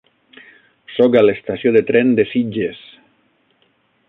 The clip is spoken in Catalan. Soc a la estació de tren de Sitges.